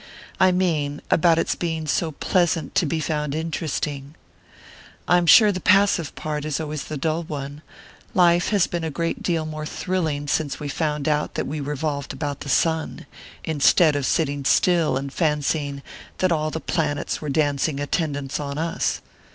"I mean about its being so pleasant to be found interesting. I'm sure the passive part is always the dull one: life has been a great deal more thrilling since we found out that we revolved about the sun, instead of sitting still and fancying that all the planets were dancing attendance on us.